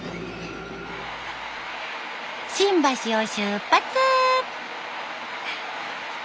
新橋を出発！